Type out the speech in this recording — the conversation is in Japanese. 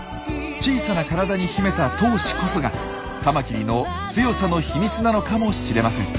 小さな体に秘めた闘志こそがカマキリの強さの秘密なのかもしれません。